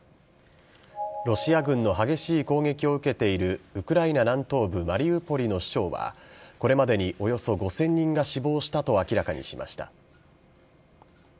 ロシア軍の激しい攻撃を受けているウクライナ南東部マリウポリの市長は、これまでにおよそ５０００人が死亡したと明らかにしました。